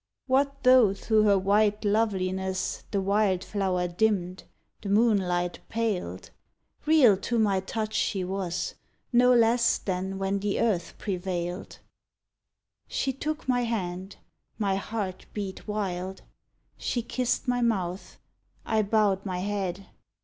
What though through her white loveliness The wildflower dimmed, the moonlight paled, Real to my touch she was; no less Than when the earth prevailed. She took my hand. My heart beat wild. She kissed my mouth. I bowed my head.